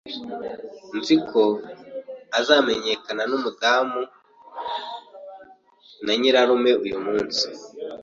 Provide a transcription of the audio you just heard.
Nzi ko azamenyekana numudamu na nyirarume uyumunsi.